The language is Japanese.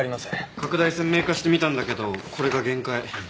拡大鮮明化してみたんだけどこれが限界。